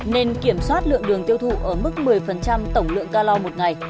nên kiểm soát lượng đường tiêu thụ ở mức một mươi tổng lượng ca lo một ngày